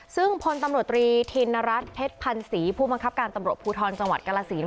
ซึ่งพลตำรวจตรีธินรัฐเพชรพันศรีผู้บังคับการตำรวจภูทรจังหวัดกรสิน